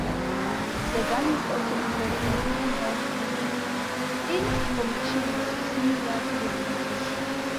The gun was also employed by Commonwealth forces in formations similar to the British.